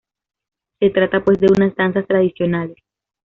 Se trata pues de unas danzas tradicionales.